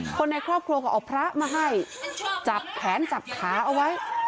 คนในครอบครัวก็เอาพระมาให้จับแขนจับขาเอาไว้